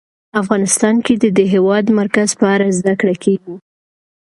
افغانستان کې د د هېواد مرکز په اړه زده کړه کېږي.